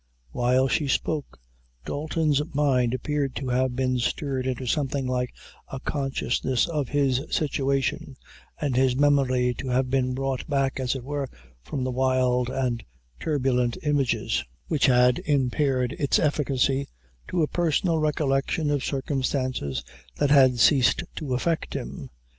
While she spoke, Dalton's mind appeared to have been stirred into something like a consciousness of his situation, and his memory to have been brought back, as it were, from the wild and turbulent images, which had impaired its efficacy, to a personal recollection of circumstances that had ceased to affect him.